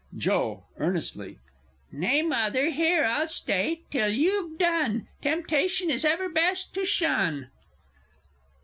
_ Joe (earnestly). Nay, Mother, here I'll stay till you have done. Temptation it is ever best to shun!